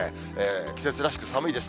季節らしく寒いです。